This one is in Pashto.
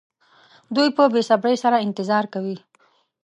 دوی په بې صبرۍ سره انتظار کوي.